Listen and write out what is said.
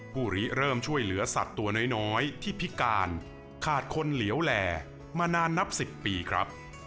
ริเริ่มช่วยเหลือสัตว์ตัวน้อยที่พิการขาดคนเหลียวแหลมานานนับ๑๐ปีครับ